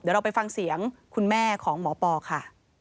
เดี๋ยวเราไปฟังเสียงคุณแม่ของหมอปอค่ะ